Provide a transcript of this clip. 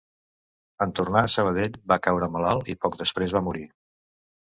En tornar a Sabadell va caure malalt i poc després va morir.